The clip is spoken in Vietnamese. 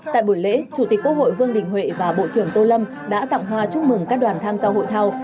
tại buổi lễ chủ tịch quốc hội vương đình huệ và bộ trưởng tô lâm đã tặng hoa chúc mừng các đoàn tham gia hội thao